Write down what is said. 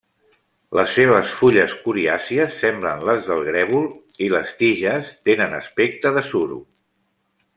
Les seves fulles coriàcies semblen les del grèvol i les tiges tenen aspecte de suro.